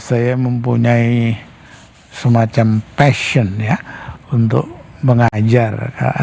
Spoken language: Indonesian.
saya mempunyai semacam passion ya untuk mengajar